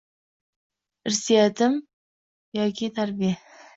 Irsiyatmi yoki tarbiya?